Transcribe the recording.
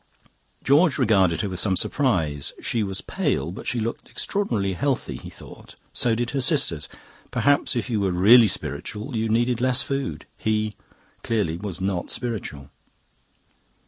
"George regarded her with some surprise. She was pale, but she looked extraordinarily healthy, he thought; so did her sisters. Perhaps if you were really spiritual you needed less food. He, clearly, was not spiritual.